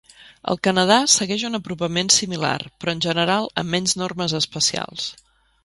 El Canadà segueix un apropament similar, però en general amb menys normes especials.